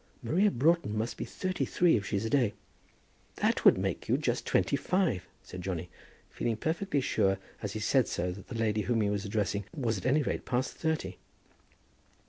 Maria Broughton must be thirty three if she's a day." "That would make you just twenty five," said Johnny, feeling perfectly sure as he said so that the lady whom he was addressing was at any rate past thirty!